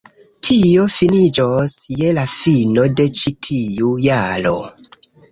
Tio finiĝos je la fino de ĉi tiu jaro